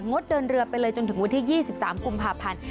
ดเดินเรือไปเลยจนถึงวันที่๒๓กุมภาพันธ์